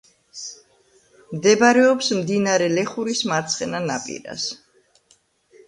მდებარეობს მდინარე ლეხურის მარცხენა ნაპირას.